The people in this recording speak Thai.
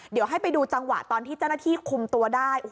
เดี๋ยวให้ไปดูจังหวะตอนที่เจ้าหน้าที่คุมตัวได้